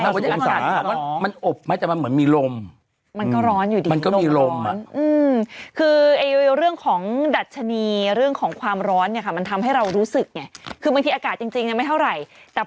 ก็หมายถึงเขาบอกถึง๕๐องศาแต่มันไม่ถึงไง